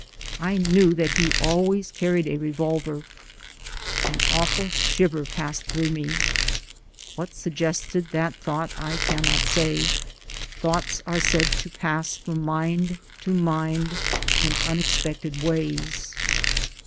I knew that he always carried a re volver. An awful shiver passed through me. What suggested that thought I cannot say; thoughts are said to pass from mind to mind in unexpected ways.